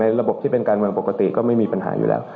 ระบบที่เป็นการเมืองปกติก็ไม่มีปัญหาอยู่แล้ว